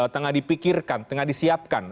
tengah dipikirkan tengah disiapkan